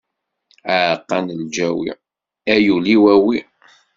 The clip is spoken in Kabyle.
Aɛeqqa n lǧawi, a yul-iw awi!